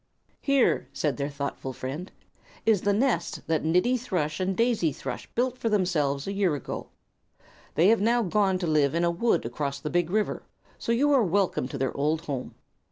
"Here," said their thoughtful friend, "is the nest that Niddie Thrush and Daisy Thrush built for themselves a year ago. They have now gone to live in a wood across the big river, so you are welcome to their old home.